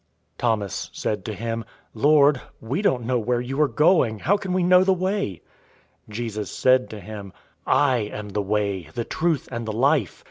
014:005 Thomas said to him, "Lord, we don't know where you are going. How can we know the way?" 014:006 Jesus said to him, "I am the way, the truth, and the life.